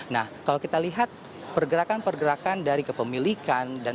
nah kalau kita lihat pergerakan pergerakan dari kepemilikan